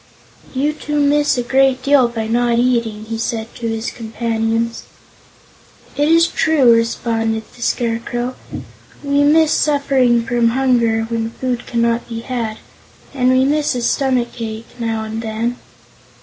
"You two miss a great deal by not eating," he said to his companions. "It is true," responded the Scarecrow. "We miss suffering from hunger, when food cannot be had, and we miss a stomachache, now and then."